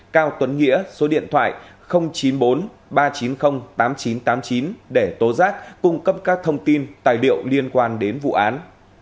cao tuấn nghĩa số điện thoại chín mươi bốn ba trăm chín mươi tám nghìn chín trăm tám mươi chín để tố giác cung cấp các thông tin tài liệu liên quan đến vụ án